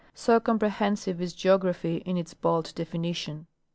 So comprehensive is geography in its bald definition.